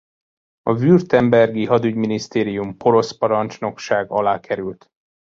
A württembergi hadügyminisztérium porosz parancsnokság alá került.